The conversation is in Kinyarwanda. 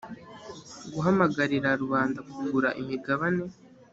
guhamagarira rubanda kugura imigabane